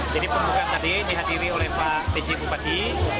jadi pembukaan tadi dihadiri oleh pak peji bupati